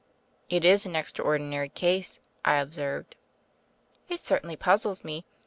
"It is an extraordinary case," I observed. "It certainly puzzles me.